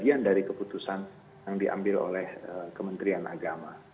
bagian dari keputusan yang diambil oleh kementerian agama